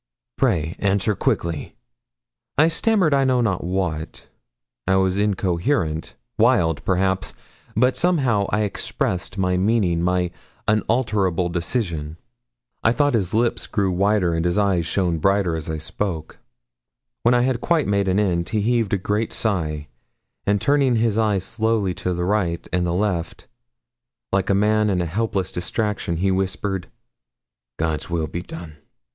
Pray answer quickly.' I stammered I know not what. I was incoherent wild, perhaps; but somehow I expressed my meaning my unalterable decision. I thought his lips grew whiter and his eyes shone brighter as I spoke. When I had quite made an end, he heaved a great sigh, and turning his eyes slowly to the right and the left, like a man in a helpless distraction, he whispered 'God's will be done.'